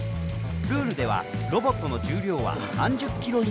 ルールではロボットの重量は３０ｋｇ以内。